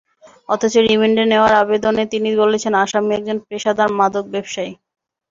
অথচ রিমান্ডে নেওয়ার আবেদনে তিনি বলেছেন, আসামি একজন পেশাদার মাদক ব্যবসায়ী।